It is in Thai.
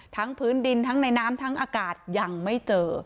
พื้นดินทั้งในน้ำทั้งอากาศยังไม่เจอ